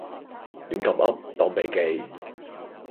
亂咁噏當秘笈